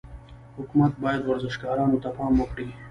حکومت باید ورزشکارانو ته پام وکړي.